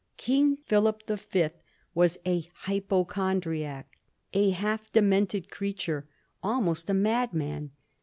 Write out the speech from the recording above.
King Philip the Fifth was a hypochondriac, a half demented creature, almost a madman.